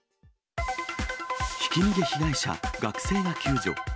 ひき逃げ被害者、学生が救助。